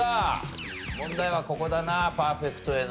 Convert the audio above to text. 問題はここだなパーフェクトへの。